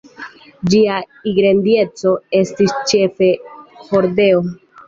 Ĝia ingredienco estis ĉefe hordeo.